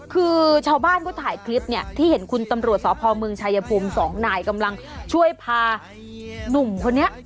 คือชาวบ้านเขาถ่ายคลิปเนี่ยที่เห็นคุณตำรวจสพเมืองชายภูมิสองนายกำลังช่วยพาหนุ่มคนนี้